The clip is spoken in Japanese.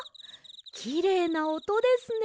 きれいなおとですね。